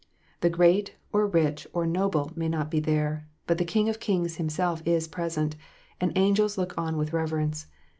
The great or rich or noble may not be there, but the King of kings Himself is present, and angels look on with reverence.